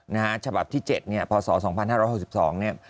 นะฮะฉบับที่๗เนี่ยพศ๒๕๖๒เนี่ย